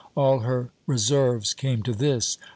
All her reserves came to this!